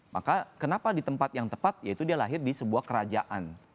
maka kenapa di tempat yang tepat yaitu dia lahir di sebuah kerajaan